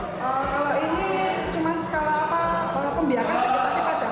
kalau ini cuma skala pembiakan jadi patip aja